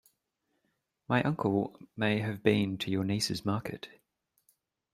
My uncle may have been to your niece's market.